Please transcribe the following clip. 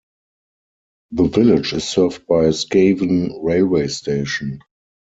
The village is served by Skewen railway station.